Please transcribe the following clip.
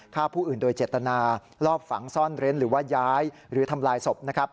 ฆ่าผู้อื่นโดยเจตนาลอบฝังซ่อนเร้นหรือว่าย้ายหรือทำลายศพนะครับ